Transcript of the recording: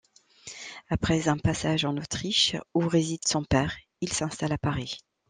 Après un passage en Autriche, où réside son père, il s'installe à Paris.